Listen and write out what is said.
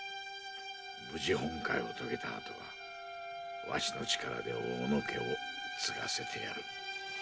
無事本懐を遂げたあとはわしの力で小野家を継がせてやる。